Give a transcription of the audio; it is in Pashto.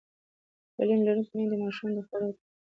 تعلیم لرونکې میندې د ماشومانو د خوړو تازه والی ارزوي.